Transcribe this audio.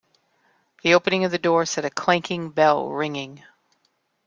The opening of the door set a clanking bell ringing.